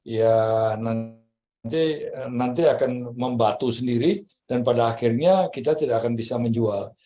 ya nanti akan membatu sendiri dan pada akhirnya kita tidak akan bisa menjual